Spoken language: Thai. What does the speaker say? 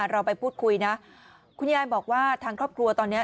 เราไปพูดคุยนะคุณยายบอกว่าทางครอบครัวตอนนี้